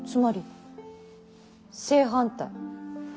つまり正反対。